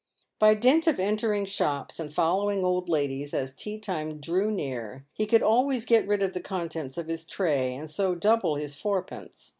By dint of entering shops and following old ladies, as tea time drew near, he could always get rid of the contents of his tray and so double his fourpence.